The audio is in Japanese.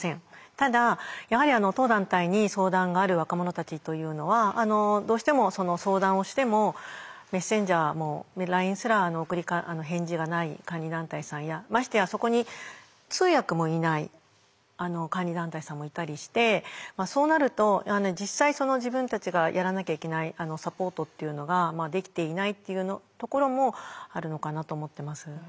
ただやはり当団体に相談がある若者たちというのはどうしてもその相談をしてもメッセンジャーもＬＩＮＥすら返事がない監理団体さんやましてやそこに通訳もいない監理団体さんもいたりしてそうなると実際自分たちがやらなきゃいけないサポートっていうのができていないっていうところもあるのかなと思ってます。